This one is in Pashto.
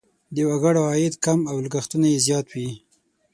د وګړو عاید کم او لګښتونه یې زیات وي.